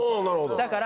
だから。